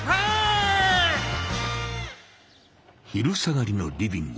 昼下がりのリビング。